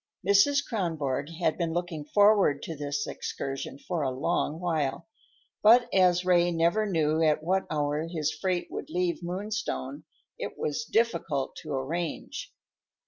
Mrs. Kronborg had been looking forward to this excursion for a long while, but as Ray never knew at what hour his freight would leave Moonstone, it was difficult to arrange.